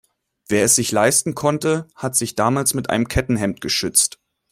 Wer es sich leisten konnte, hat sich damals mit einem Kettenhemd geschützt.